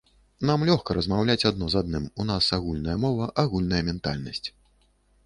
Нам лёгка размаўляць адно з адным, у нас агульная мова, агульная ментальнасць.